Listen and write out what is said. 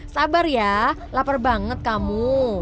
sabar ya lapar banget kamu